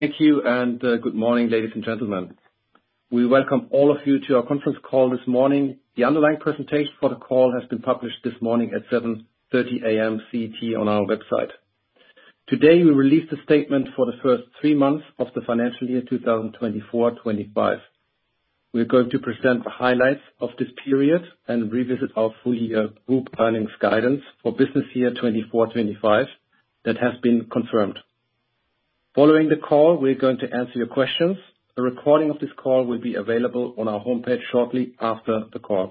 Thank you, and, good morning, ladies and gentlemen. We welcome all of you to our conference call this morning. The underlying presentation for the call has been published this morning at 7:30 A.M. CET on our website. Today, we released a statement for the first three months of the financial year, 2024/2025. We're going to present the highlights of this period and revisit our full year group earnings guidance for business year 2024/2025, that has been confirmed. Following the call, we're going to answer your questions. A recording of this call will be available on our homepage shortly after the call.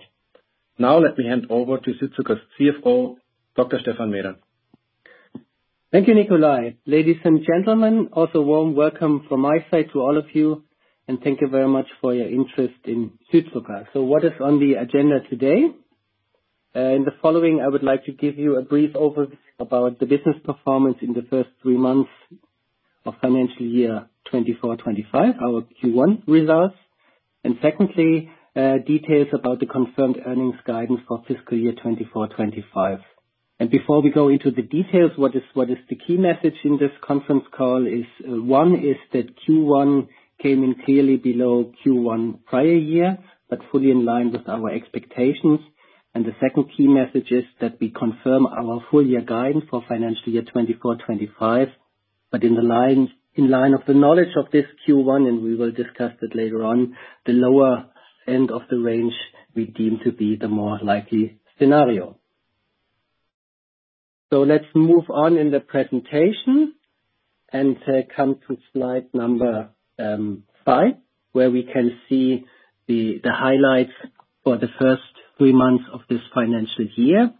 Now, let me hand over to Südzucker's CFO, Dr. Stephan Meeder. Thank you, Nikolai. Ladies and gentlemen, also warm welcome from my side to all of you, and thank you very much for your interest in Südzucker. What is on the agenda today? In the following, I would like to give you a brief overview about the business performance in the first three months of financial year 2024/2025, our Q1 results, and secondly, details about the confirmed earnings guidance for fiscal year 2024/2025. Before we go into the details, what is the key message in this conference call is, one, is that Q1 came in clearly below Q1 prior year, but fully in line with our expectations. The second key message is that we confirm our full year guidance for financial year 2024/2025, but in line with the knowledge of this Q1, and we will discuss that later on, the lower end of the range, we deem to be the more likely scenario. So let's move on in the presentation, and come to slide number 5, where we can see the highlights for the first three months of this financial year.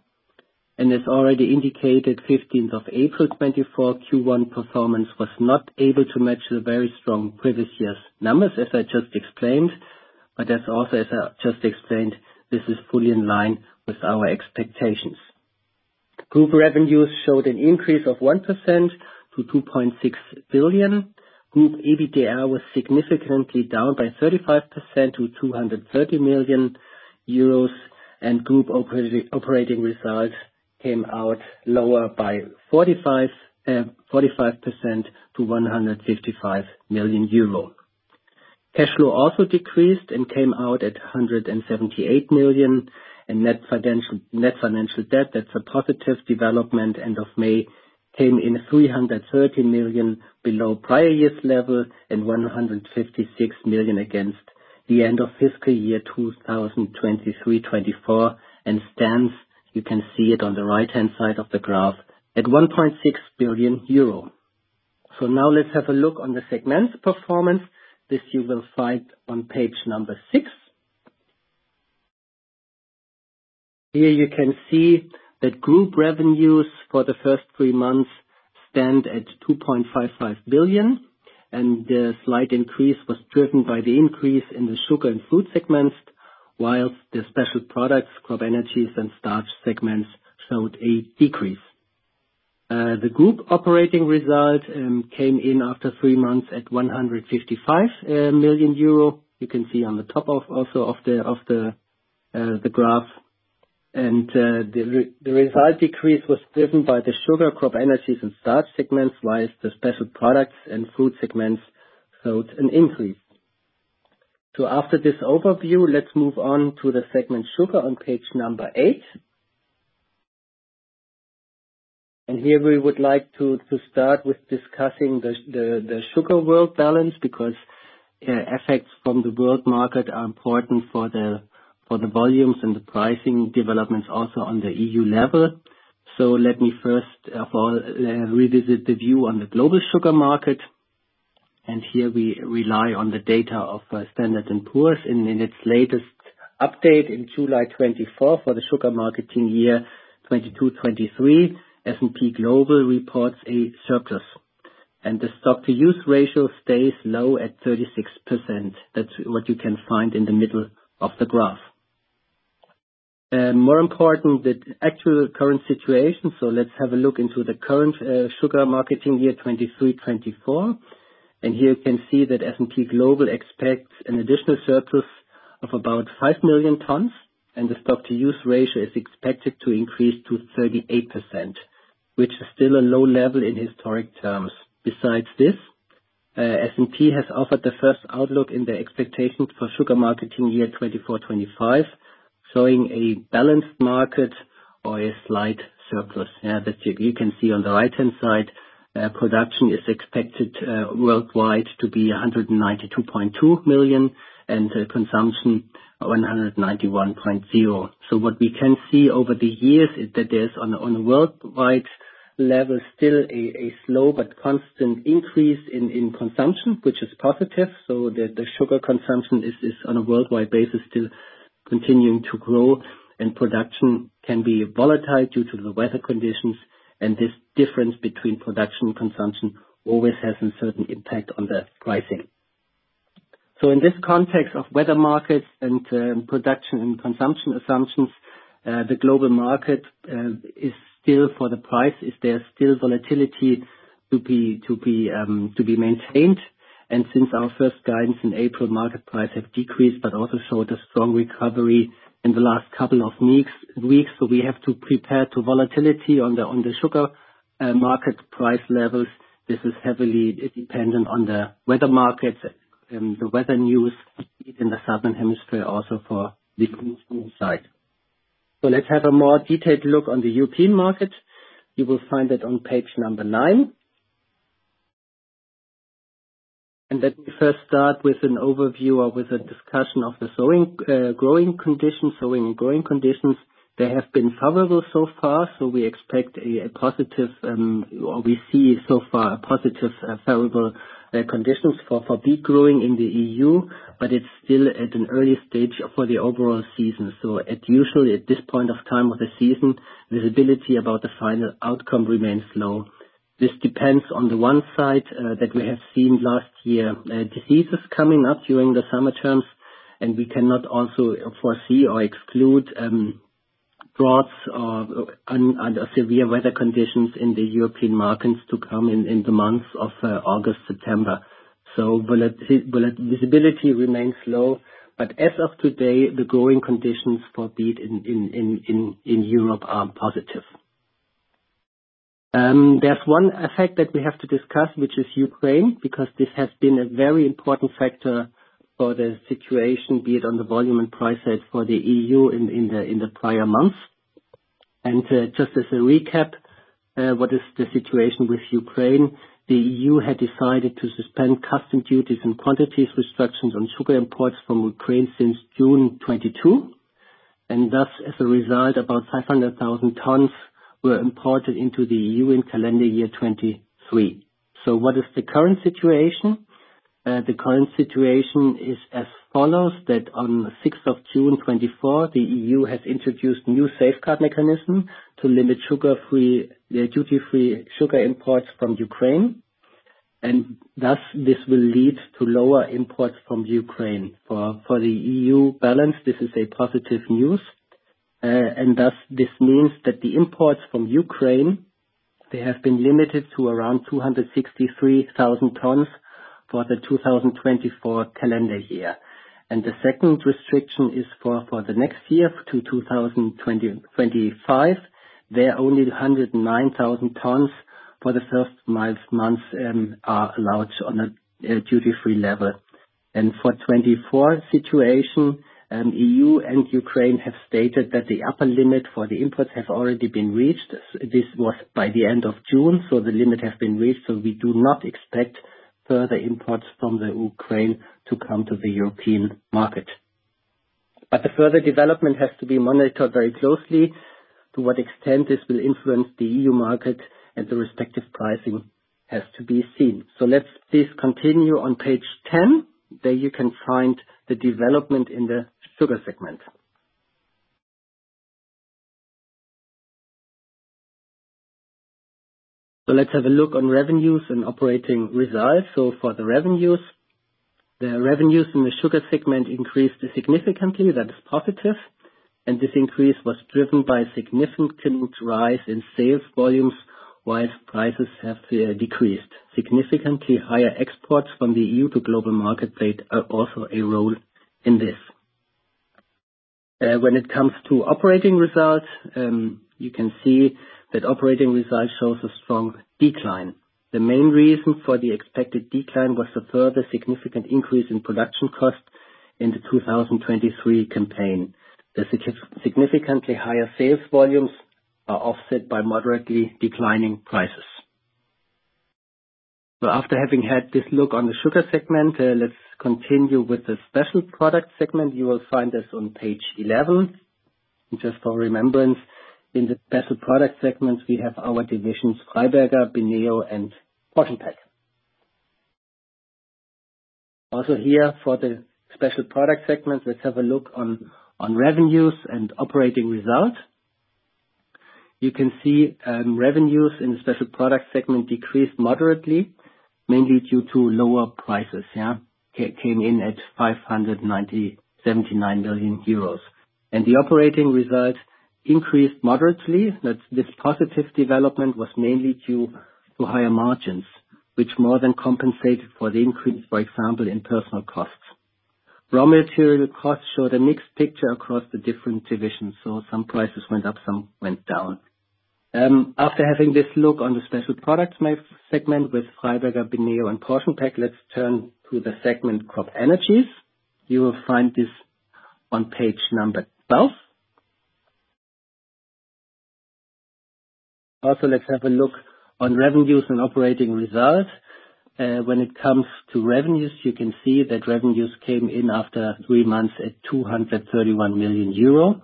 As already indicated, 15th of April 2024, Q1 performance was not able to match the very strong previous year's numbers, as I just explained. But as also, as I just explained, this is fully in line with our expectations. Group revenues showed an increase of 1% to 2.6 billion. Group EBITDA was significantly down by 35% to 230 million euros, and group operating results came out lower by 45% to 155 million euro. Cash flow also decreased and came out at 178 million, and net financial debt, that's a positive development, end of May, came in 330 million below prior year's level, and 156 million against the end of fiscal year 2023/2024, and stands, you can see it on the right-hand side of the graph, at 1.6 billion euro. So now let's have a look on the segment performance. This you will find on page 6. Here you can see that group revenues for the first three months stand at 2.55 billion, and the slight increase was driven by the increase in the sugar and food segments, while the special products, crop energies, and starch segments showed a decrease. The group operating result came in after three months at 155 million euro. You can see, also on the top of the graph. The result decrease was driven by the sugar, crop energies, and starch segments, while the special products and food segments showed an increase. So after this overview, let's move on to the segment Sugar on page 8. Here, we would like to start with discussing the sugar world balance, because effects from the world market are important for the volumes and the pricing developments also on the EU level. So let me first of all revisit the view on the global sugar market, and here we rely on the data of Standard & Poor's. In its latest update in July 2024 for the sugar marketing year 2022/2023, S&P Global reports a surplus, and the stock-to-use ratio stays low at 36%. That's what you can find in the middle of the graph. More important, the actual current situation, so let's have a look into the current sugar marketing year 2023/2024. Here you can see that S&P Global expects an additional surplus of about 5 million tons, and the stock-to-use ratio is expected to increase to 38%, which is still a low level in historic terms. Besides this, S&P has offered the first outlook in the expectations for sugar marketing year 2024/2025, showing a balanced market or a slight surplus. That you can see on the right-hand side, production is expected worldwide to be 192.2 million, and consumption, 191.0. So what we can see over the years is that there's, on a, on a worldwide level, still a, a slow but constant increase in, in consumption, which is positive. So the sugar consumption is, on a worldwide basis, still continuing to grow, and production can be volatile due to the weather conditions, and this difference between production and consumption always has a certain impact on the pricing. So in this context of weather markets and production and consumption assumptions, the global market is still for the price; is there still volatility to be maintained? And since our first guidance in April, market price have decreased, but also showed a strong recovery in the last couple of weeks. So we have to prepare to volatility on the sugar market price levels. This is heavily dependent on the weather markets and the weather news in the southern hemisphere, also for the side. So let's have a more detailed look on the European market. You will find it on page number 9. Let me first start with an overview or with a discussion of the sowing, growing conditions. Sowing and growing conditions, they have been favorable so far, so we expect a positive, or we see so far, a positive, favorable, conditions for beet growing in the EU, but it's still at an early stage for the overall season. As usual, at this point of time of the season, visibility about the final outcome remains low. This depends on the one side, that we have seen last year, diseases coming up during the summer terms, and we cannot also foresee or exclude, droughts or other severe weather conditions in the European markets to come in, in the months of August, September. So volatility remains low, but as of today, the growing conditions for beet in Europe are positive. There's one effect that we have to discuss, which is Ukraine, because this has been a very important factor for the situation, be it on the volume and price side for the EU in the prior months. And just as a recap, what is the situation with Ukraine? The EU had decided to suspend customs duties and quantities restrictions on sugar imports from Ukraine since June 2022, and thus, as a result, about 500,000 tons were imported into the EU in calendar year 2023. So what is the current situation? The current situation is as follows, that on the sixth of June 2024, the EU has introduced new safeguard mechanism to limit duty-free sugar imports from Ukraine, and thus, this will lead to lower imports from Ukraine. For the EU balance, this is positive news, and thus, this means that the imports from Ukraine, they have been limited to around 263,000 tons for the 2024 calendar year. And the second restriction is for the next year to 2025. There are only 109,000 tons for the first months are allowed on a duty-free level. And for 2024 situation, EU and Ukraine have stated that the upper limit for the imports have already been reached. This was by the end of June, so the limit has been reached, so we do not expect further imports from the Ukraine to come to the European market. But the further development has to be monitored very closely. To what extent this will influence the EU market and the respective pricing has to be seen. So let's continue this on page ten, there you can find the development in the sugar segment. So let's have a look on revenues and operating results. So for the revenues, the revenues in the sugar segment increased significantly. That is positive, and this increase was driven by significant rise in sales volumes, while prices have decreased. Significantly higher exports from the EU to global market played also a role in this. When it comes to operating results, you can see that operating results shows a strong decline. The main reason for the expected decline was the further significant increase in production costs in the 2023 campaign. The significantly higher sales volumes are offset by moderately declining prices. After having had this look on the sugar segment, let's continue with the special product segment. You will find this on page 11. Just for remembrance, in the special product segments, we have our divisions, Freiberger, Beneo, and PortionPack. Also here, for the special product segment, let's have a look on revenues and operating results. You can see, revenues in the special product segment decreased moderately, mainly due to lower prices, yeah. Came in at 579 million euros. The operating results increased moderately, but this positive development was mainly due to higher margins, which more than compensated for the increase, for example, in personnel costs. Raw material costs showed a mixed picture across the different divisions, so some prices went up, some went down. After having this look on the special product segment with Freiberger, Beneo and PortionPack, let's turn to the segment CropEnergies. You will find this on page 12. Also, let's have a look on revenues and operating results. When it comes to revenues, you can see that revenues came in after three months at 231 million euro.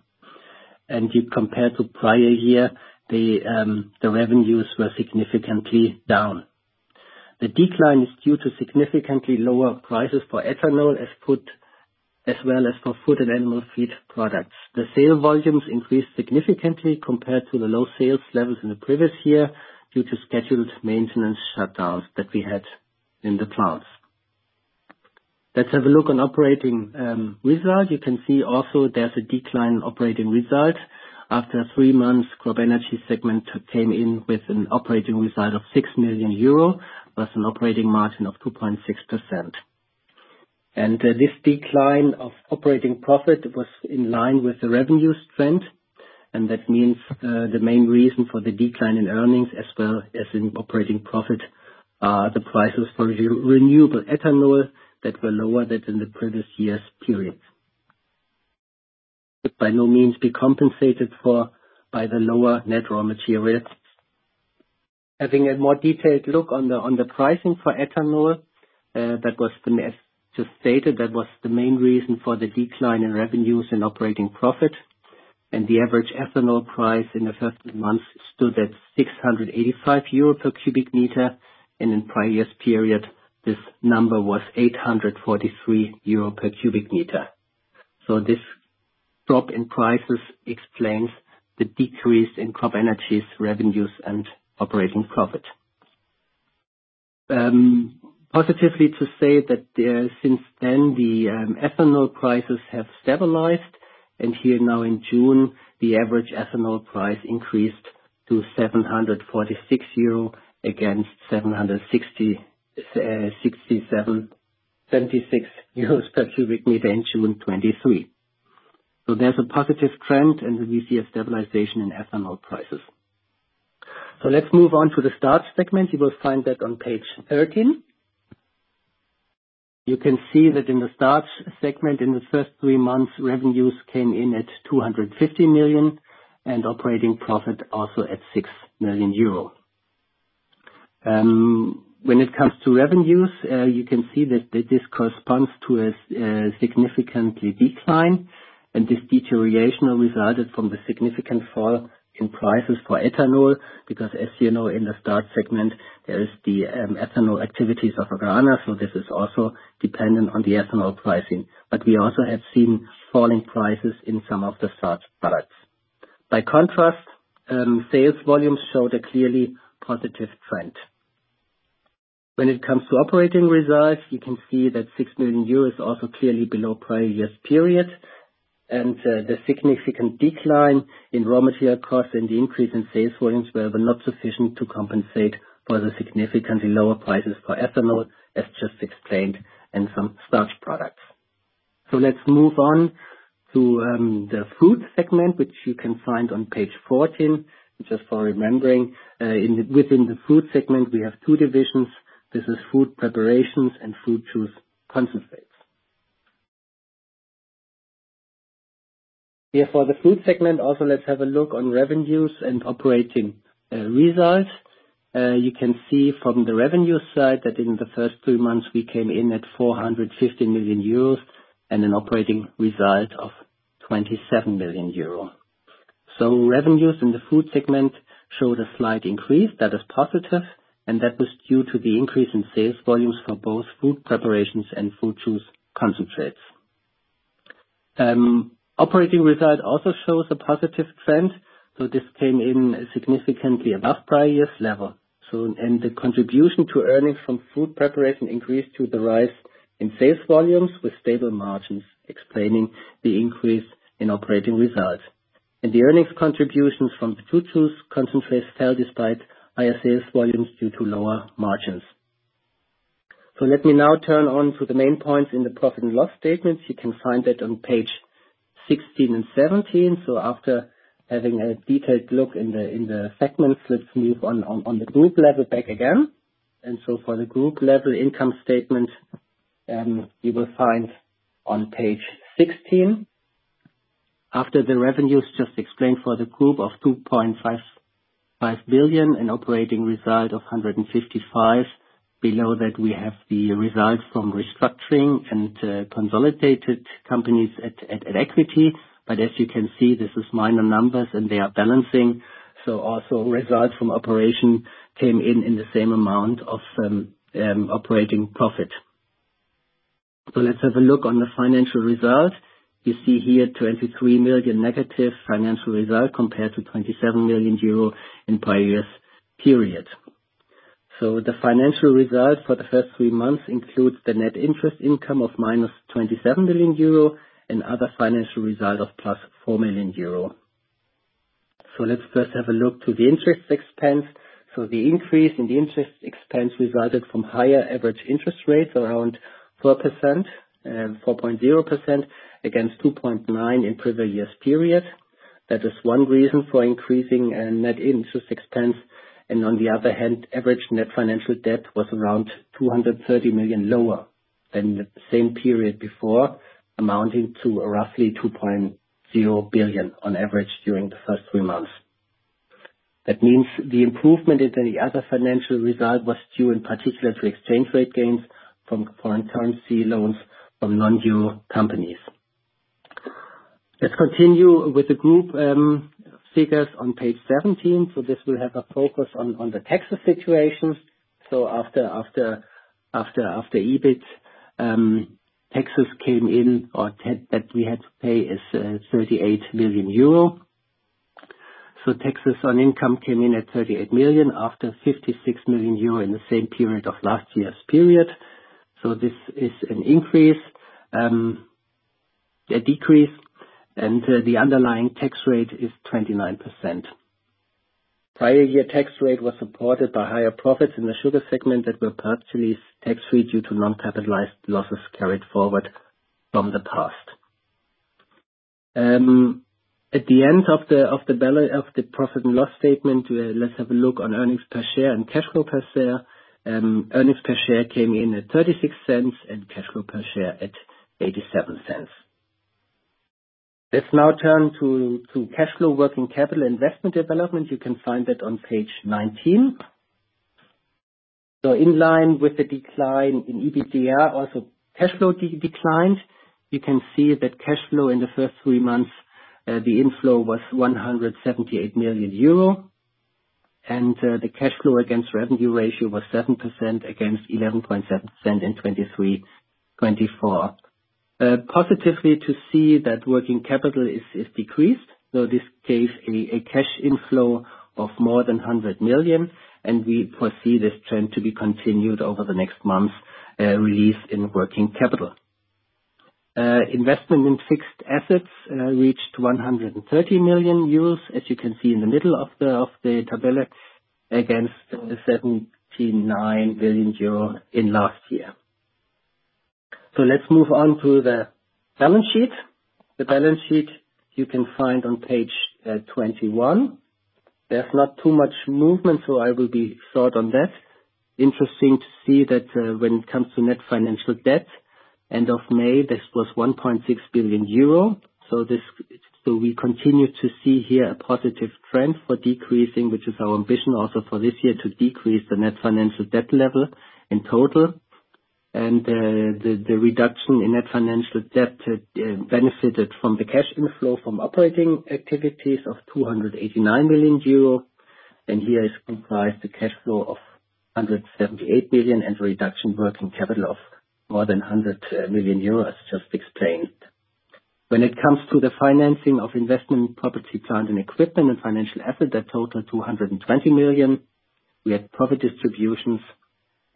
And you compare to prior year, the revenues were significantly down. The decline is due to significantly lower prices for ethanol, as well as for food and animal feed products. The sale volumes increased significantly compared to the low sales levels in the previous year, due to scheduled maintenance shutdowns that we had in the plants.... Let's have a look on operating result. You can see also there's a decline in operating result. After three months, CropEnergies segment came in with an operating result of 6 million euro, with an operating margin of 2.6%. And this decline of operating profit was in line with the revenue trend, and that means the main reason for the decline in earnings as well as in operating profit are the prices for renewable ethanol that were lower than in the previous year's period. By no means be compensated for by the lower net raw materials. Having a more detailed look on the pricing for ethanol, that was just stated, that was the main reason for the decline in revenues and operating profit. The average ethanol price in the first month stood at 685 euro per cubic meter, and in prior-year period, this number was 843 euro per cubic meter. So this drop in prices explains the decrease in CropEnergies' revenues and operating profit. Positively to say that, since then, the ethanol prices have stabilized, and here now in June, the average ethanol price increased to 746 euro, against 767-776 euros per cubic meter in June 2023. So there's a positive trend, and we see a stabilization in ethanol prices. So let's move on to the starch segment. You will find that on page 13. You can see that in the starch segment, in the first three months, revenues came in at 250 million, and operating profit also at 6 million euro. When it comes to revenues, you can see that this corresponds to a significant decline, and this deterioration resulted from the significant fall in prices for ethanol. Because as you know, in the starch segment, there is the ethanol activities of Agrana, so this is also dependent on the ethanol pricing. But we also have seen falling prices in some of the starch products. By contrast, sales volumes showed a clearly positive trend. When it comes to operating results, you can see that 6 million euros is also clearly below prior year's period, and the significant decline in raw material costs and the increase in sales volumes were not sufficient to compensate for the significantly lower prices for ethanol, as just explained, and some starch products. So let's move on to the fruit segment, which you can find on page 14. Just for remembering, within the fruit segment, we have two divisions. This is fruit preparations and fruit juice concentrates. Here for the fruit segment, also, let's have a look on revenues and operating results. You can see from the revenue side, that in the first three months, we came in at 450 million euros, and an operating result of 27 million euros. Revenues in the food segment showed a slight increase. That is positive, and that was due to the increase in sales volumes for both fruit preparations and fruit juice concentrates. Operating result also shows a positive trend, so this came in significantly above prior year's level. And the contribution to earnings from fruit preparation increased due to the rise in sales volumes, with stable margins, explaining the increase in operating results. The earnings contributions from fruit juice concentrates fell despite higher sales volumes, due to lower margins. Let me now turn to the main points in the profit and loss statements. You can find that on page 16 and 17. After having a detailed look in the segments, let's move on to the group level back again. So for the group level income statement, you will find on page 16. After the revenues just explained for the group of 2.55 billion, an operating result of 155 million. Below that, we have the results from restructuring and consolidated companies at equity. But as you can see, this is minor numbers, and they are balancing. Also results from operation came in in the same amount of operating profit. Let's have a look on the financial result. You see here, 23 million negative financial result, compared to 27 million euro in prior year's period. The financial result for the first three months includes the net interest income of -27 million euro, and other financial result of +4 million euro. Let's first have a look to the interest expense. So the increase in the interest expense resulted from higher average interest rates, around 4%, 4.0%, against 2.9% in previous years' period. That is one reason for increasing net interest expense, and on the other hand, average net financial debt was around 230 million lower than the same period before, amounting to roughly 2.0 billion on average during the first three months. That means the improvement in the other financial result was due in particular to exchange rate gains from foreign currency loans from non-euro companies. Let's continue with the group figures on page 17. So this will have a focus on the taxes situations. So after EBIT, taxes came in, that we had to pay is 38 million euro. So taxes on income came in at 38 million, after 56 million euro in the same period of last year's period. So this is an increase, a decrease, and the underlying tax rate is 29%. Prior year tax rate was supported by higher profits in the sugar segment that were partially tax-free, due to non-capitalized losses carried forward from the past. At the end of the balance of the profit and loss statement, let's have a look on earnings per share and cash flow per share. Earnings per share came in at 0.36, and cash flow per share at 0.87. Let's now turn to cash flow working capital investment development. You can find that on page 19. So in line with the decline in EBITDA, also cash flow declined. You can see that cash flow in the first three months, the inflow was 178 million euro, and, the cash flow against revenue ratio was 7% against 11.7% in 2023, 2024. Positively to see that working capital is decreased, so this gave a cash inflow of more than 100 million, and we foresee this trend to be continued over the next months, release in working capital. Investment in fixed assets reached 130 million euros, as you can see in the middle of the table, against the 79 billion euro in last year. So let's move on to the balance sheet. The balance sheet you can find on page 21. There's not too much movement, so I will be short on that. Interesting to see that, when it comes to net financial debt, end of May, this was 1.6 billion euro. So we continue to see here a positive trend for decreasing, which is our ambition also for this year, to decrease the net financial debt level in total. The reduction in net financial debt benefited from the cash inflow from operating activities of 289 million euro, and here is comprised the cash flow of 178 million, and reduction working capital of more than 100 million euro, just explained. When it comes to the financing of investment, property, plant, and equipment, and financial assets, that total 220 million; we had profit distributions,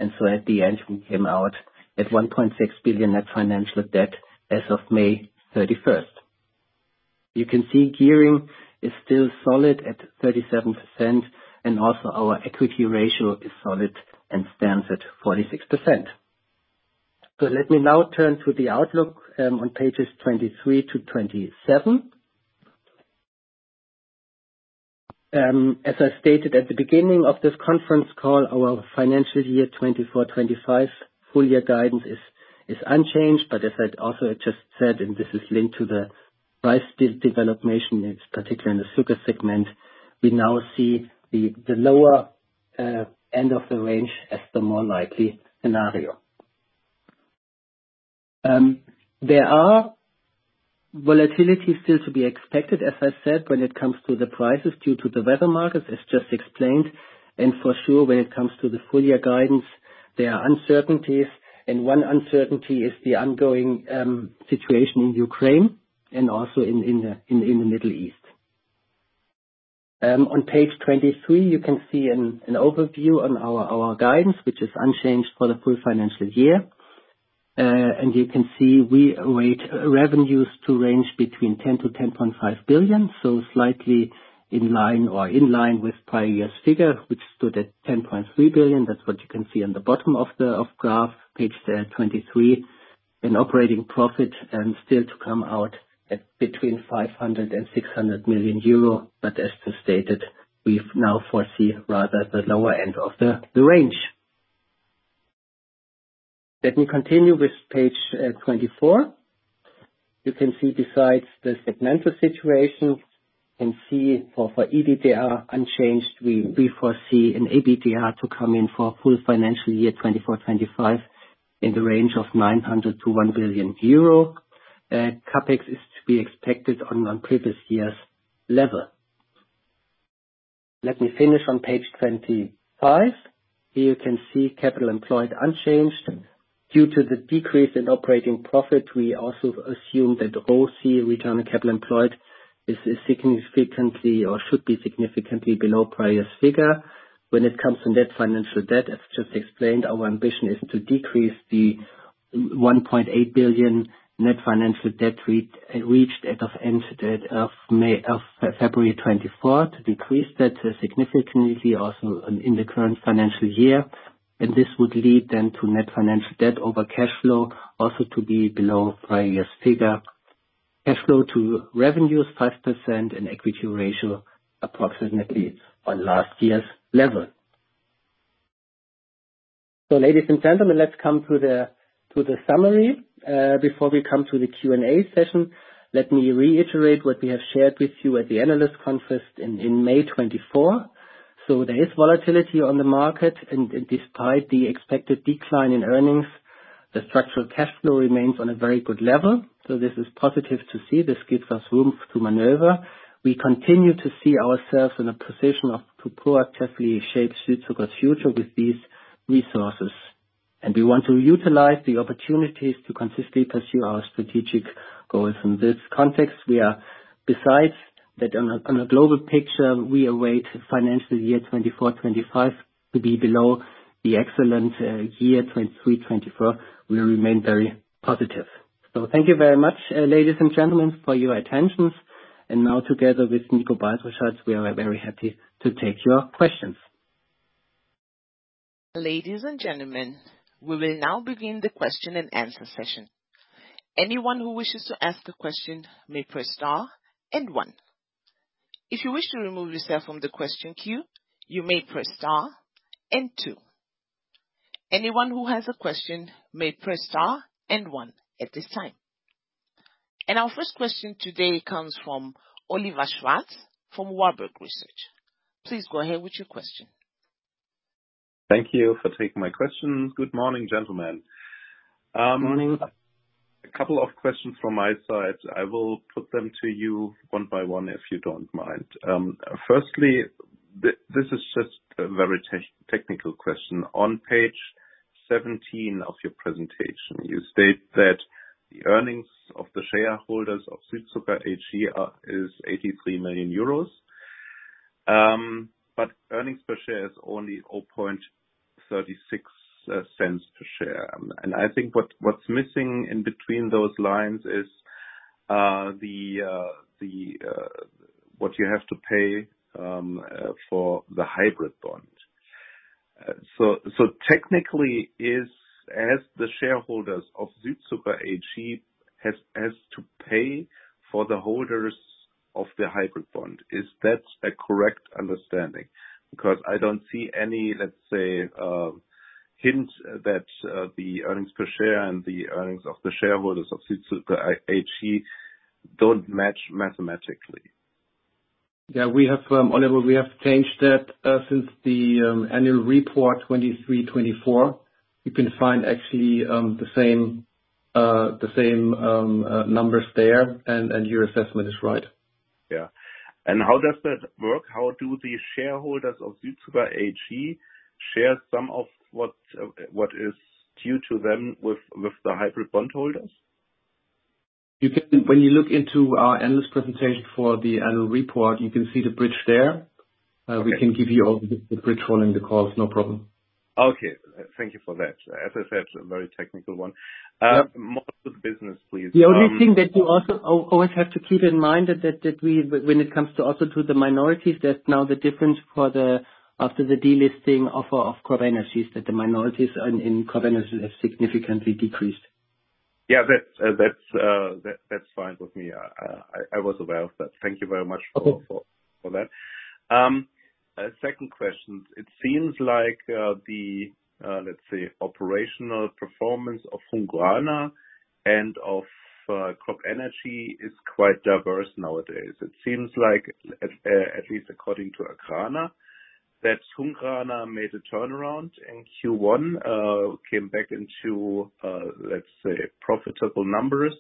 and so at the end, we came out at 1.6 billion net financial debt as of May 31st. You can see gearing is still solid at 37%, and also our equity ratio is solid and stands at 46%. So let me now turn to the outlook on pages 23 to 27. As I stated at the beginning of this conference call, our financial year 2024/2025 full year guidance is, is unchanged. But as I also just said, and this is linked to the price development, in particular in the sugar segment, we now see the lower end of the range as the more likely scenario. There are volatility still to be expected, as I said, when it comes to the prices due to the weather markets, as just explained. And for sure, when it comes to the full year guidance, there are uncertainties, and one uncertainty is the ongoing situation in Ukraine and also in the Middle East. On page 23, you can see an overview on our guidance, which is unchanged for the full financial year. And you can see we await revenues to range between 10-10.5 billion, so slightly in line or in line with prior year's figure, which stood at 10.3 billion. That's what you can see on the bottom of the graph on page 23. In operating profit and still to come out at between 500 million euro and 600 million euro, but as stated, we now foresee rather the lower end of the range. Let me continue with page 24. You can see besides the segmental situation, see for EBITDA unchanged, we foresee an EBITDA to come in for full financial year 2024/25, in the range of 900 million-1 billion euro. CapEx is to be expected on previous year's level. Let me finish on page 25. Here you can see capital employed unchanged. Due to the decrease in operating profit, we also assume that ROCE, return on capital employed, is significantly or should be significantly below prior's figure. When it comes to net financial debt, as just explained, our ambition is to decrease the 1.8 billion net financial debt we reached at the end of February 2024. Decrease that significantly also in the current financial year, and this would lead then to net financial debt over cash flow, also to be below prior year's figure. Cash flow to revenue is 5% and equity ratio approximately on last year's level. So ladies and gentlemen, let's come to the summary. Before we come to the Q&A session, let me reiterate what we have shared with you at the analyst conference in May 2024. So there is volatility on the market and despite the expected decline in earnings, the structural cash flow remains on a very good level. So this is positive to see. This gives us room to maneuver. We continue to see ourselves in a position to proactively shape Südzucker's future with these resources.... And we want to utilize the opportunities to consistently pursue our strategic goals. In this context, we are, besides that on a global picture, we await financial year 2024-2025 to be below the excellent year 2023-2024. We remain very positive. Thank you very much, ladies and gentlemen, for your attention. Now, together with Nikolai Baltruschat, we are very happy to take your questions. Ladies and gentlemen, we will now begin the question and answer session. Anyone who wishes to ask a question may press star and one. If you wish to remove yourself from the question queue, you may press star and two. Anyone who has a question may press star and one at this time. Our first question today comes from Oliver Schwarz, from Warburg Research. Please go ahead with your question. Thank you for taking my question. Good morning, gentlemen. Morning. A couple of questions from my side. I will put them to you one by one, if you don't mind. Firstly, this is just a very technical question. On page 17 of your presentation, you state that the earnings of the shareholders of Südzucker AG is 83 million euros. But earnings per share is only 0.36 cents per share. And I think what's missing in between those lines is the what you have to pay for the hybrid bond. So technically, as the shareholders of Südzucker AG has to pay for the holders of the hybrid bond, is that a correct understanding? Because I don't see any, let's say, hints that the earnings per share and the earnings of the shareholders of Südzucker AG don't match mathematically. Yeah, we have, Oliver, we have changed that since the annual report 2023/24. You can find actually the same, the same numbers there, and your assessment is right. Yeah. How does that work? How do the shareholders of Südzucker AG share some of what is due to them with the hybrid bondholders? You can... When you look into our analyst presentation for the annual report, you can see the bridge there. We can give you all the, the bridge during the call, no problem. Okay, thank you for that. As I said, a very technical one. More of the business, please. The only thing that you also always have to keep in mind that, when it comes to also to the minorities, that now the difference for the, after the delisting of CropEnergies, that the minorities in CropEnergies have significantly decreased. Yeah, that's fine with me. I was aware of that. Thank you very much for- Okay... for, for that. A second question: It seems like, the, let's say, operational performance of Hungrana and of, CropEnergies is quite diverse nowadays. It seems like, at, at least according to Agrana, that Hungrana made a turnaround in Q1, came back into, let's say, profitable numbers,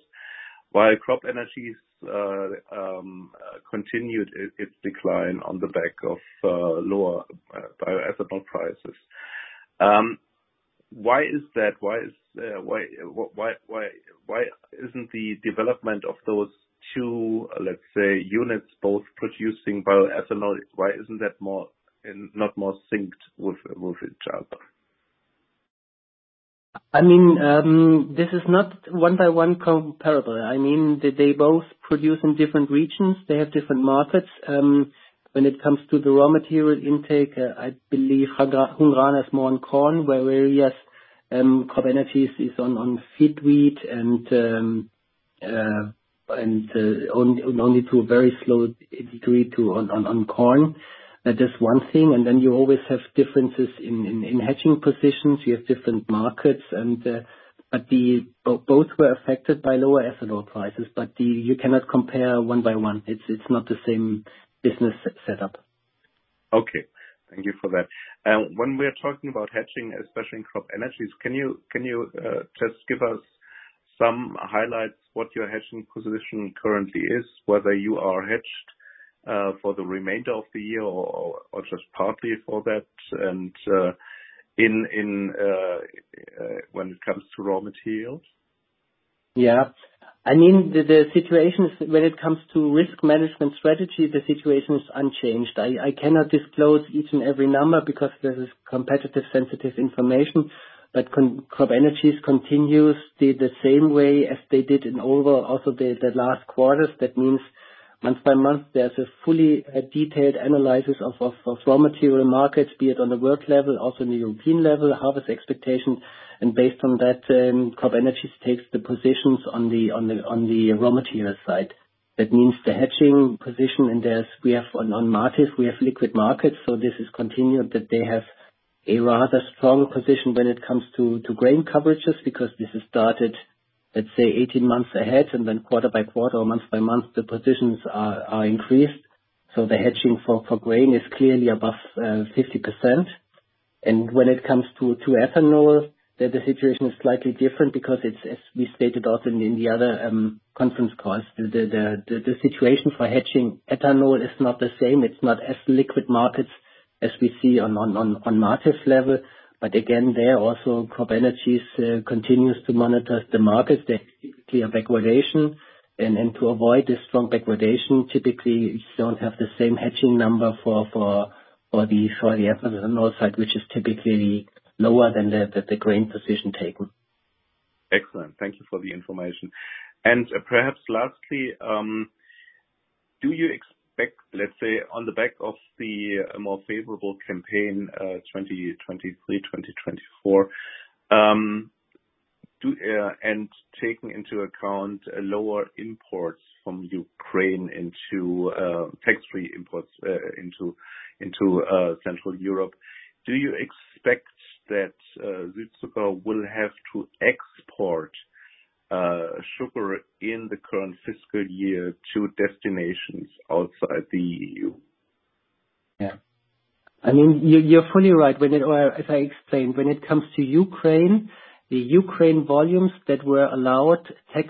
while CropEnergies, continued its decline on the back of, lower, ethanol prices. Why is that? Why is, why isn't the development of those two, let's say, units, both producing bioethanol, why isn't that more, not more synced with, each other? I mean, this is not one by one comparable. I mean, they, they both produce in different regions. They have different markets. When it comes to the raw material intake, I believe Hungrana is more on corn, whereas, CropEnergies is on wheat and only to a very slow degree on corn. That is one thing, and then you always have differences in hedging positions. You have different markets and, but the... Both were affected by lower ethanol prices, but you cannot compare one by one. It's, it's not the same business setup. Okay, thank you for that. When we are talking about hedging, especially in CropEnergies, can you just give us some highlights, what your hedging position currently is? Whether you are hedged for the remainder of the year or just partly for that, and when it comes to raw materials? Yeah. I mean, the situation when it comes to risk management strategy, the situation is unchanged. I cannot disclose each and every number because this is competitive-sensitive information, but CropEnergies continues the same way as they did in over also the last quarters. That means month by month, there's a fully detailed analysis of raw material markets, be it on the world level, also on the European level, harvest expectations, and based on that, CropEnergies takes the positions on the raw material side. That means the hedging position, and there's, we have on markets, we have liquid markets, so this is continued, that they have a rather strong position when it comes to grain coverages, because this has started, let's say, 18 months ahead, and then quarter by quarter or month by month, the positions are increased. So the hedging for grain is clearly above 50%. And when it comes to ethanol, the situation is slightly different because it's, as we stated also in the other conference calls, the situation for hedging ethanol is not the same. It's not as liquid markets as we see on market level, but again, there also CropEnergies continues to monitor the market, the clear backwardation. To avoid this strong backwardation, typically you don't have the same hedging number for the ethanol side, which is typically lower than the grain position taken. Excellent. Thank you for the information. And perhaps lastly, do you expect, let's say, on the back of the more favorable campaign, 2023-2024, and taking into account lower tax-free imports from Ukraine into Central Europe, do you expect that Südzucker will have to export sugar in the current fiscal year to destinations outside the EU? Yeah. I mean, you're fully right. When it, as I explained, when it comes to Ukraine, the Ukraine volumes that were allowed tax,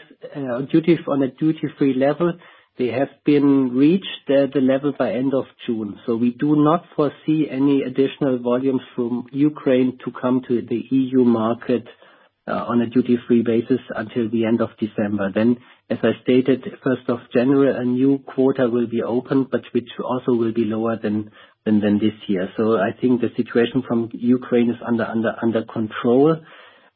duties on a duty-free level, they have been reached at the level by end of June. So we do not foresee any additional volumes from Ukraine to come to the EU market, on a duty-free basis until the end of December. Then, as I stated, first of January, a new quarter will be open, but which also will be lower than this year. So I think the situation from Ukraine is under control.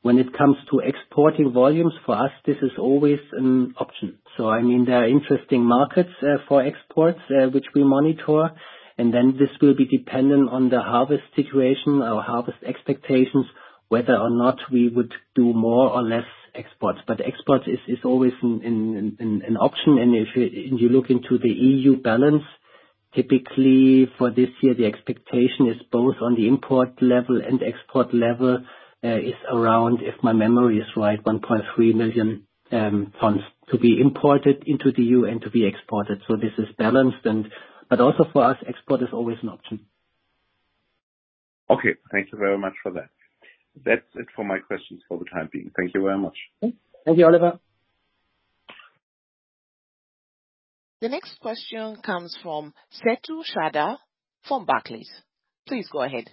When it comes to exporting volumes, for us, this is always an option. So I mean, there are interesting markets for exports, which we monitor, and then this will be dependent on the harvest situation or harvest expectations, whether or not we would do more or less exports. But exports is always an option. And if you look into the EU balance, typically for this year, the expectation is both on the import level and export level is around, if my memory is right, 1.3 million tons to be imported into the EU and to be exported. So this is balanced and but also for us, export is always an option. Okay, thank you very much for that. That's it for my questions for the time being. Thank you very much. Thank you, Oliver. The next question comes from Setu Sharda from Barclays. Please go ahead.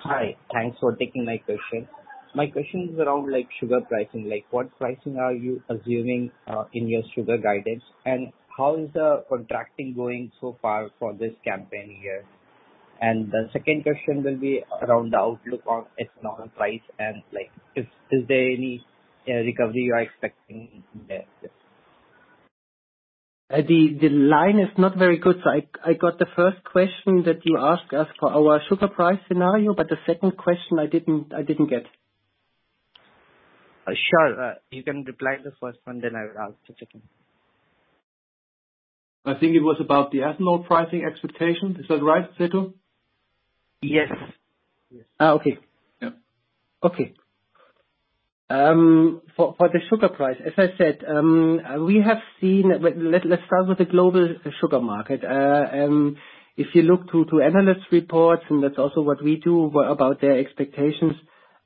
Hi. Thanks for taking my question. My question is around, like, sugar pricing. Like, what pricing are you assuming in your sugar guidance? And how is the contracting going so far for this campaign year? And the second question will be around the outlook on ethanol price and, like, is there any recovery you are expecting there? Yes. The line is not very good, so I got the first question that you asked us for our sugar price scenario, but the second question I didn't get. Sure. You can reply the first one, then I'll ask the second. I think it was about the ethanol pricing expectation. Is that right, Setu? Yes. Uh, okay. Yeah. Okay. For the sugar price, as I said, we have seen. Let's start with the global sugar market. If you look through to analyst reports, and that's also what we do, about their expectations,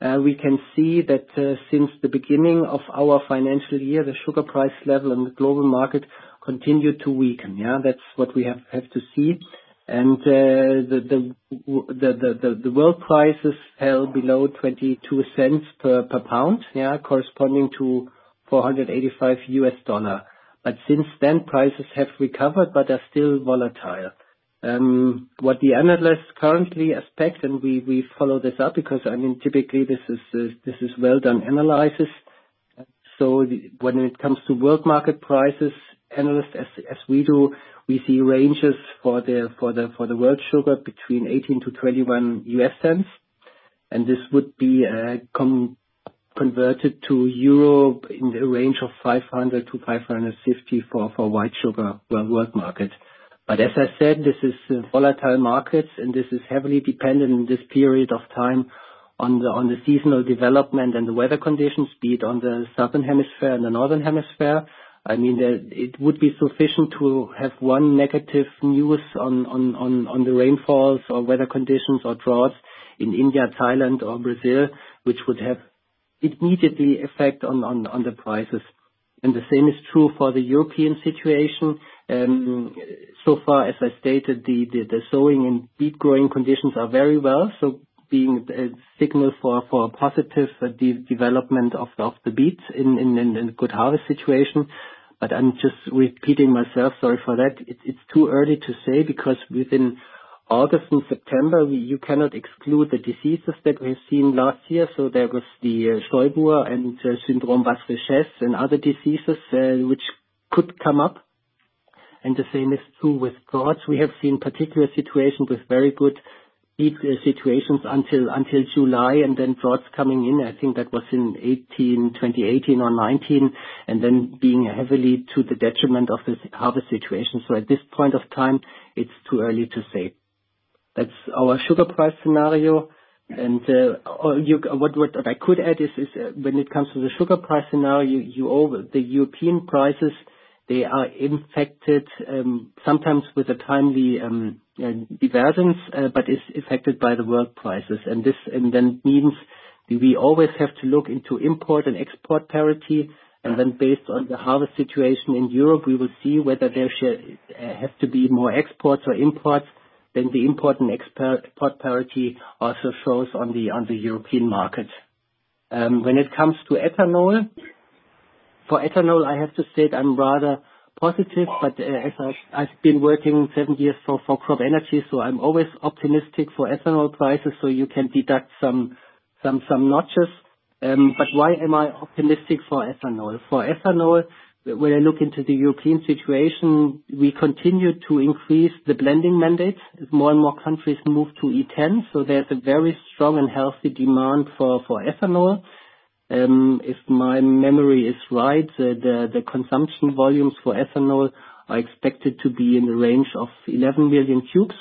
we can see that, since the beginning of our financial year, the sugar price level in the global market continued to weaken. Yeah, that's what we have to see. And the world prices fell below $0.22 per pound, yeah, corresponding to $485. But since then, prices have recovered, but are still volatile. What the analysts currently expect, and we follow this up, because, I mean, typically this is well-done analysis. So when it comes to world market prices, analysts, as we do, we see ranges for the world sugar between $0.18-$0.21, and this would be converted to Europe in the range of 500-550 for white sugar, well, world market. But as I said, this is volatile markets, and this is heavily dependent on this period of time on the seasonal development and the weather conditions, be it on the southern hemisphere and the northern hemisphere. I mean, the. It would be sufficient to have one negative news on the rainfalls or weather conditions or droughts in India, Thailand, or Brazil, which would have immediately effect on the prices. And the same is true for the European situation. So far, as I stated, the sowing and beet growing conditions are very well, so being a signal for a positive development of the beets in good harvest situation. But I'm just repeating myself, sorry for that. It's too early to say, because within August and September, you cannot exclude the diseases that we have seen last year. So there was the Stolbur and Syndrome des Basses Richesses and other diseases, which could come up, and the same is true with droughts. We have seen particular situations with very good beet situations until July, and then droughts coming in. I think that was in 2018 or 2019, and then being heavily to the detriment of the harvest situation. So at this point of time, it's too early to say. That's our sugar price scenario. What I could add is when it comes to the sugar price scenario, all the European prices, they are influenced, sometimes with a timely divergence, but is affected by the world prices. And this means we always have to look into import and export parity, and then based on the harvest situation in Europe, we will see whether there should have to be more exports or imports, then the import and export parity also shows on the European market. When it comes to ethanol, for ethanol, I have to state I'm rather positive, but as I've been working seven years for CropEnergies, so I'm always optimistic for ethanol prices, so you can deduct some notches. But why am I optimistic for ethanol? For ethanol, when I look into the European situation, we continue to increase the blending mandate as more and more countries move to E10, so there's a very strong and healthy demand for ethanol. If my memory is right, the consumption volumes for ethanol are expected to be in the range of 11 million cubes,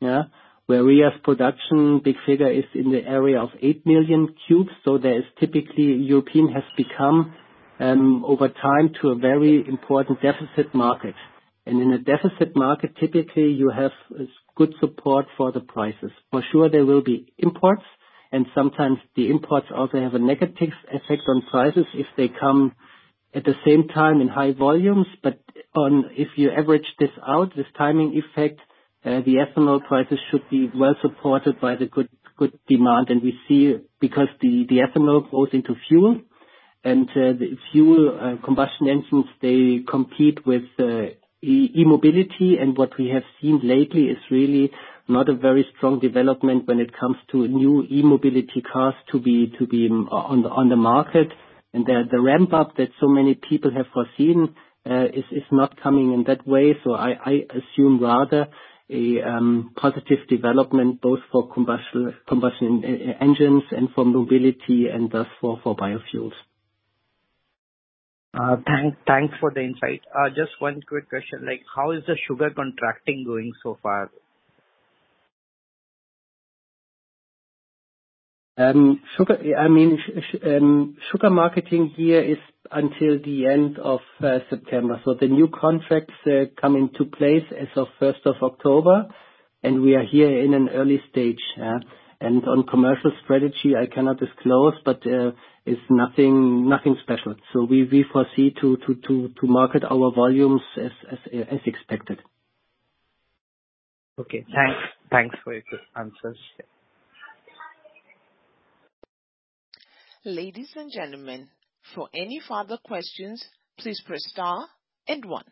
yeah. Where we as production, big figure is in the area of 8 million cubes, so there is typically, European has become, over time, to a very important deficit market. And in a deficit market, typically you have good support for the prices. For sure there will be imports, and sometimes the imports also have a negative effect on prices if they come at the same time in high volumes. But on if you average this out, this timing effect, the ethanol prices should be well supported by the good, good demand. And we see because the ethanol goes into fuel, and the fuel combustion engines, they compete with e-mobility. And what we have seen lately is really not a very strong development when it comes to new e-mobility cars to be on the market. And the ramp up that so many people have foreseen is not coming in that way. So I assume rather a positive development both for combustion engines and for mobility and thus for biofuels. Thanks for the insight. Just one quick question, like, how is the sugar contracting going so far? Sugar, I mean, sugar marketing here is until the end of September. So the new contracts come into place as of first of October, and we are here in an early stage. And on commercial strategy, I cannot disclose, but it's nothing, nothing special. So we foresee to market our volumes as expected. Okay, thanks. Thanks for your answers. Ladies and gentlemen, for any further questions, please press star and one.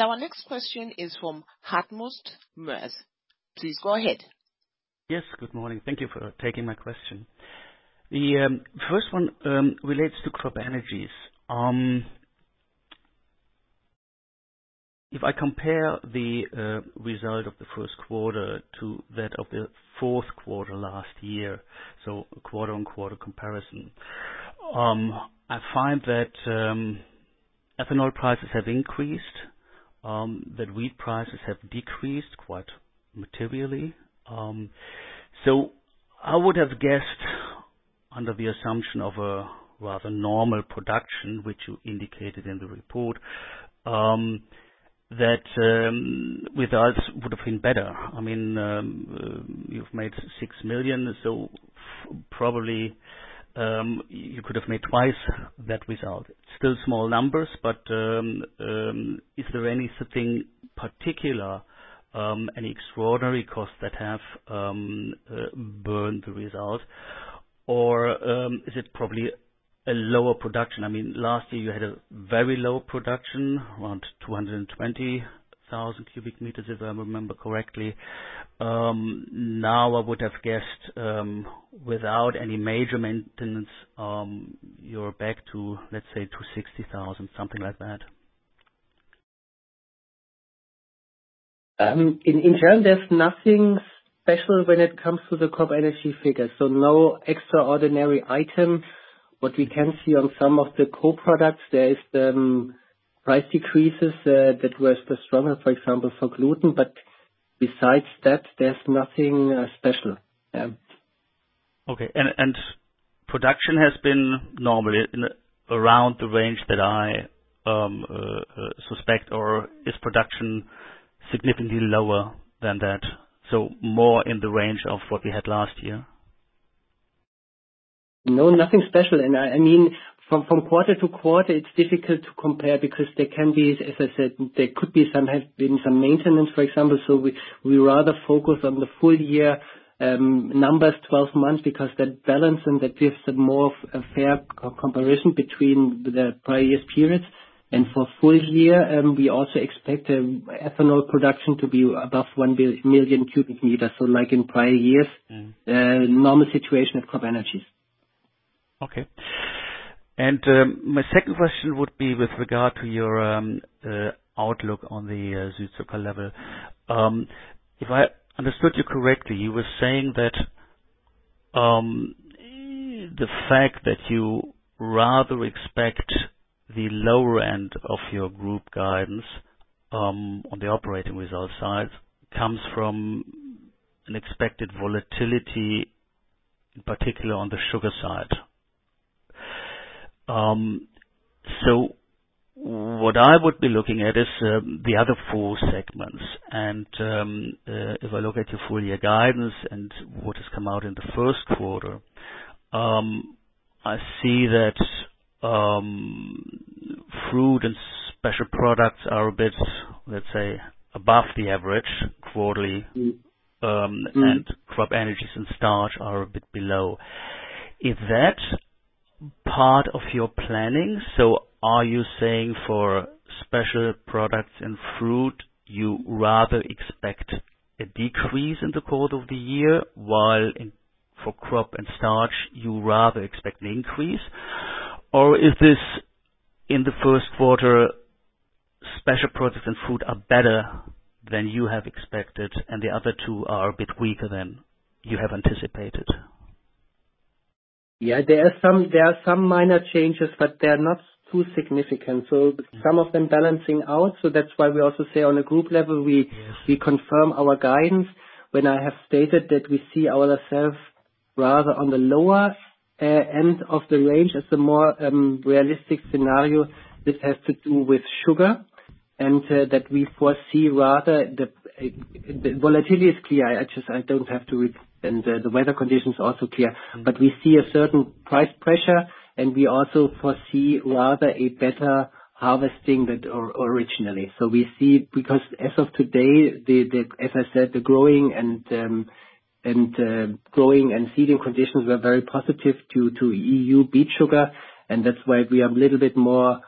Our next question is from Hartmut Moers. Please go ahead. Yes, good morning. Thank you for taking my question. The first one relates to CropEnergies. If I compare the result of the first quarter to that of the fourth quarter last year, so quarter-on-quarter comparison, I find that ethanol prices have increased, that wheat prices have decreased quite materially. So I would have guessed, under the assumption of a rather normal production, which you indicated in the report, that results would have been better. I mean, you've made 6 million, so probably you could have made twice that result. Still small numbers, but is there any something particular, any extraordinary costs that have burned the result? Or is it probably a lower production? I mean, last year you had a very low production, around 220,000 cubic meters, if I remember correctly. Now I would have guessed, without any major maintenance, you're back to, let's say, to 60,000, something like that. In general, there's nothing special when it comes to the CropEnergies figures, so no extraordinary item. What we can see on some of the co-products, there is price decreases that were stronger, for example, for gluten. But besides that, there's nothing special. Okay. Production has been normally around the range that I suspect, or is production significantly lower than that? So more in the range of what we had last year. No, nothing special. I mean, from quarter to quarter, it's difficult to compare because there can be, as I said, there could be some, have been some maintenance, for example. So we rather focus on the full year numbers, 12 months, because that balance and that gives a more a fair comparison between the prior years periods. And for full year, we also expect ethanol production to be above 1 million cubic meters, so like in prior years, normal situation of CropEnergies. Okay. My second question would be with regard to your outlook on the sugar level. If I understood you correctly, you were saying that the fact that you rather expect the lower end of your group guidance on the operating result side comes from an expected volatility, in particular on the sugar side. So what I would be looking at is the other four segments. And if I look at your full year guidance and what has come out in the first quarter, I see that fruit and special products are a bit, let's say, above the average quarterly. And CropEnergies and starch are a bit below. Is that part of your planning? So are you saying for special products and fruit, you rather expect a decrease in the course of the year, while for crop and starch, you rather expect an increase? Or is this in the first quarter, special products and fruit are better than you have expected and the other two are a bit weaker than you have anticipated? Yeah, there are some, there are some minor changes, but they are not too significant, so some of them balancing out, so that's why we also say on a group level, we, we confirm our guidance. When I have stated that we see ourselves rather on the lower end of the range as the more realistic scenario, this has to do with sugar, and that we foresee rather the volatility is key. I just, I don't have to and the weather conditions are also clear. But we see a certain price pressure, and we also foresee rather a better harvesting than originally. So we see, because as of today, as I said, the growing and seeding conditions were very positive to EU beet sugar, and that's why we are a little bit more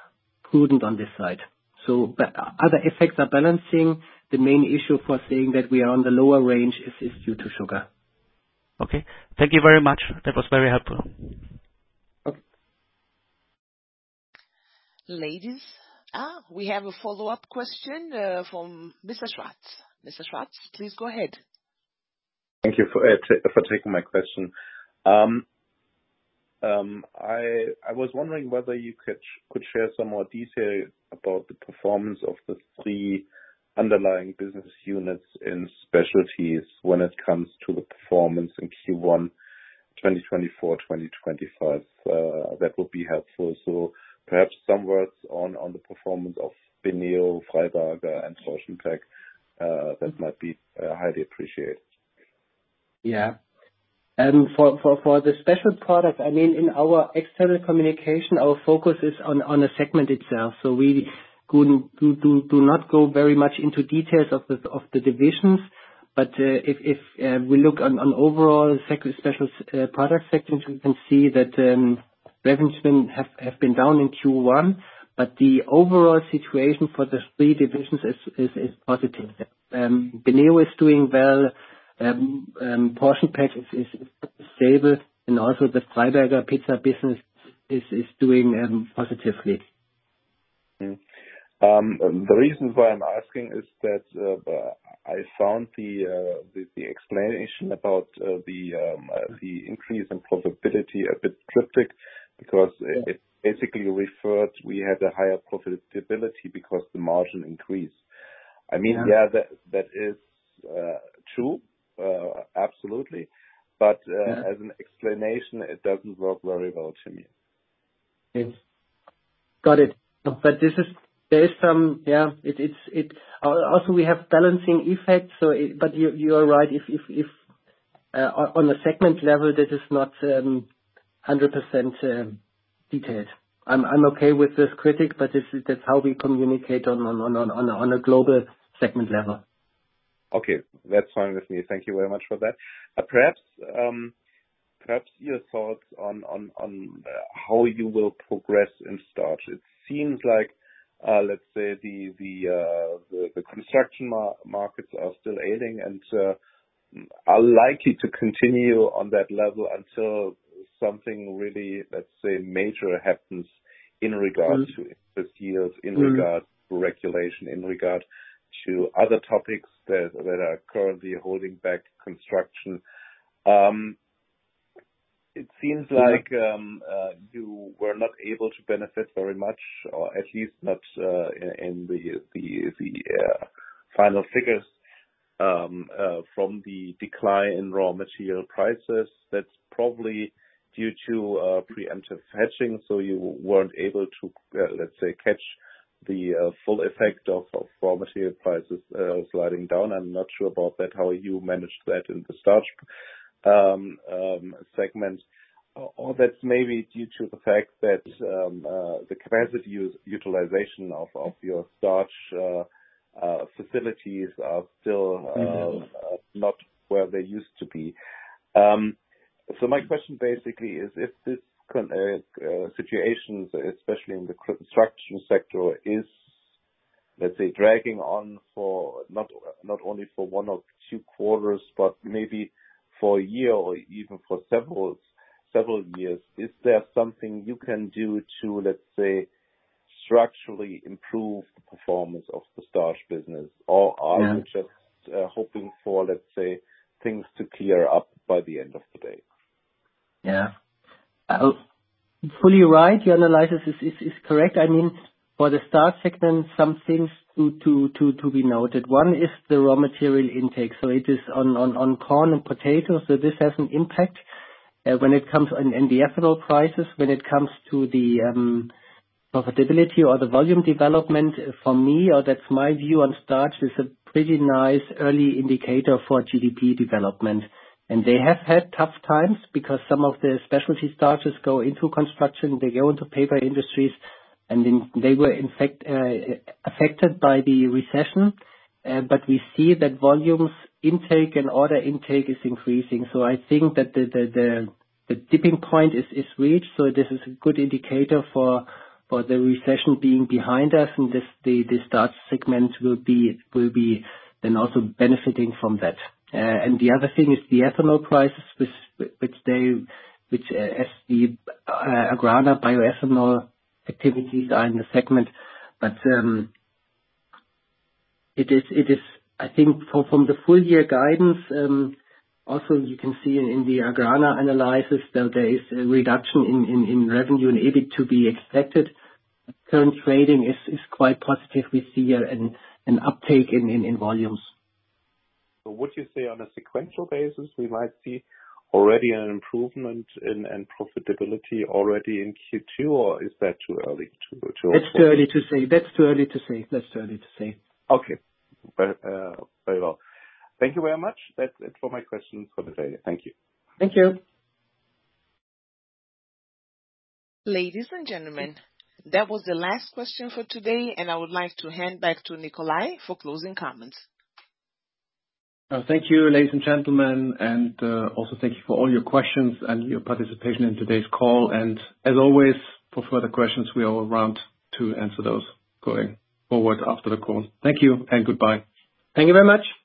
prudent on this side. So but other effects are balancing. The main issue foreseeing that we are on the lower range is due to sugar. Okay. Thank you very much. That was very helpful. Okay. Ladies, we have a follow-up question from Mr. Schwarz. Mr. Schwarz, please go ahead. Thank you for taking my question. I was wondering whether you could share some more detail about the performance of the three underlying business units in specialties when it comes to the performance in Q1 2024 2025. That would be helpful. So perhaps some words on the performance of Beneo, Freiberger, and PortionPack that might be highly appreciated. Yeah. And for the special products, I mean, in our external communication, our focus is on the segment itself. So we do not go very much into details of the divisions. But if we look on overall special product segments, we can see that revenues have been down in Q1, but the overall situation for the three divisions is positive. Beneo is doing well. PortionPack is stable, and also the Freiberger pizza business is doing positively. The reason why I'm asking is that I found the explanation about the increase in profitability a bit cryptic- Yeah. because it basically referred, we had a higher profitability because the margin increased. Yeah. I mean, yeah, that, that is, true, absolutely. Yeah. But, as an explanation, it doesn't work very well to me. Yes. Got it. But this is based on, yeah, it is, it also, we have balancing effects, so it... But you, you are right, if, if, if, on a segment level, this is not 100% detailed. I'm, I'm okay with this critic, but this is, that's how we communicate on, on, on, on a global segment level. Okay. That's fine with me. Thank you very much for that. Perhaps your thoughts on how you will progress in starch. It seems like, let's say, the construction markets are still ailing and are likely to continue on that level until something really, let's say, major happens in regards to- Mm. - the yields - Mm. in regard to regulation, in regard to other topics that are currently holding back construction. It seems like- Yeah... you were not able to benefit very much, or at least not in the final figures from the decline in raw material prices. That's probably due to preemptive hedging, so you weren't able to, let's say, catch the full effect of raw material prices sliding down. I'm not sure about that, how you managed that in the starch segment. Or that's maybe due to the fact that the capacity utilization of your starch facilities are still, Mm-hmm... not where they used to be. So my question basically is, if this current situation, especially in the construction sector, is, let's say, dragging on for not only for one or two quarters, but maybe for a year or even for several years, is there something you can do to, let's say, structurally improve the performance of the starch business? Yeah. Or are you just hoping for, let's say, things to clear up by the end of the day? Yeah. Fully right, your analysis is correct. I mean, for the Starch segment, some things to be noted. One is the raw material intake, so it is on corn and potatoes, so this has an impact. When it comes to the ethanol prices, when it comes to the profitability or the volume development, for me, that's my view on starch, is a pretty nice early indicator for GDP development. And they have had tough times, because some of the specialty starches go into construction, they go into paper industries, and then they were in fact affected by the recession. But we see that volumes intake and order intake is increasing. So I think that the tipping point is reached, so this is a good indicator for the recession being behind us, and the starch segment will be then also benefiting from that. And the other thing is the ethanol prices, which as the Agrana bioethanol activities are in the segment. But it is, I think from the full year guidance, also you can see in the Agrana analysis, that there is a reduction in revenue and EBIT to be expected. Current trading is quite positive. We see an uptake in volumes. So would you say on a sequential basis, we might see already an improvement in profitability already in Q2, or is that too early to? That's too early to say. That's too early to say. That's too early to say. Okay. Very, very well. Thank you very much. That's it for my questions for today. Thank you. Thank you. Ladies and gentlemen, that was the last question for today, and I would like to hand back to Nikolai for closing comments. Thank you, ladies and gentlemen, and also thank you for all your questions and your participation in today's call. As always, for further questions, we are around to answer those going forward after the call. Thank you and goodbye. Thank you very much.